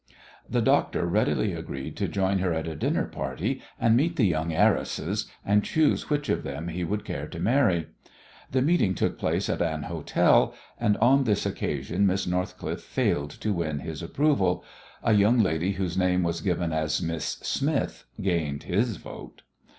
The doctor readily agreed to join her at a dinner party and meet the young heiresses, and choose which of them he would care to marry. The meeting took place at an hotel, and on this occasion Miss Northcliffe failed to win his approval. A young lady whose name was given as Miss Smith gained his vote.